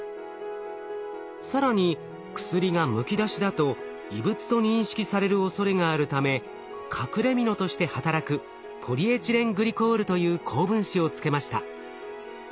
更に薬がむき出しだと異物と認識されるおそれがあるため隠れみのとして働くポリエチレングリコールという高分子をつけました。